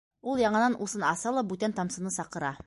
- Ул яңынан усын аса ла бүтән тамсыны саҡыра.